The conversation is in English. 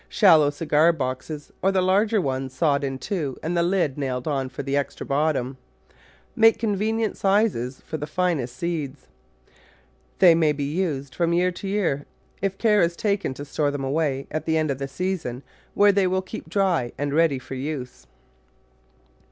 Shallow cigar boxes, or the larger ones sawed in two and the lid nailed on for the extra bottom, make convenient sizes for the finest seeds. They may be used from year to year if care is taken to store them away, at the end of the season, where they will keep dry and ready for use.